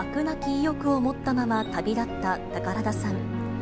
なき意欲を持ったまま旅立った宝田さん。